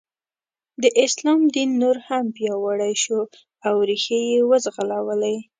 د اسلام دین نور هم پیاوړی شو او ریښې یې وځغلولې.